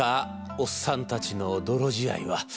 おっさんたちの泥仕合は。